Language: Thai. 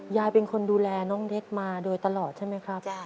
ยายเป็นคนดูแลน้องเน็ตมาโดยตลอดใช่ไหมครับ